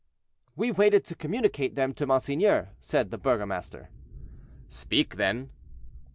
"We waited to communicate them to monseigneur," said the burgomaster. "Speak then."